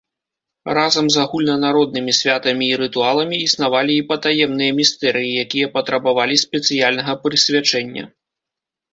Разам з агульнанароднымі святамі і рытуаламі існавалі і патаемныя містэрыі, якія патрабавалі спецыяльнага прысвячэння.